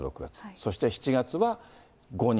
そして７月は５人。